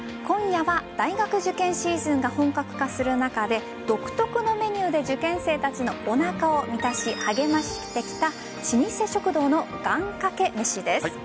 今夜は大学受験シーズンが本格化する中で独特のメニューで受験生たちのおなかを満たし励ましてきた老舗食堂の願掛けめしです。